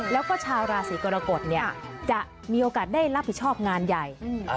แล้วก็ชาวราศีกรกฎจะมีโอกาสได้รับผิดชอบงานใหญ่